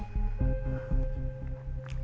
saya belum tau kang